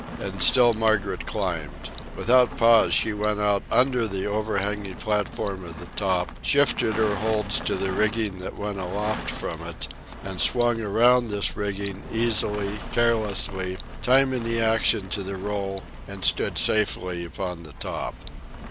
And still Margaret climbed. Without pause she went out under the overhanging platform of the top, shifted her holds to the rigging that went aloft from it, and swung around this rigging, easily, carelessly, timing the action to the roll, and stood safely upon the top.